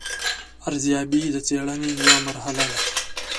ارزیابي د څېړنې یوه مرحله ده.